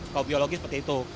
kalau biologi seperti itu